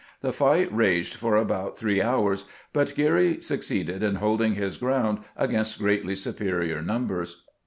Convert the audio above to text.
The fight raged for about three hours, but Geary succeeded in holding his ground against greatly superior numbers.